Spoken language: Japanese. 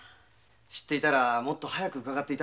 知っていたらもっと早く伺っていたのですが。